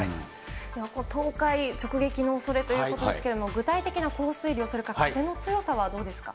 東海直撃のおそれということですけれども、具体的な降水量、それから風の強さはどうですか。